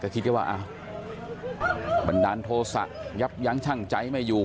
ก็คิดว่ามันดันโทษะยับยั้งชั่งใจไม่อยู่